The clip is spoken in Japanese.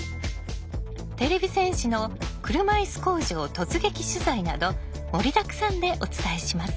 てれび戦士の車いす工場突撃取材など盛りだくさんでお伝えします。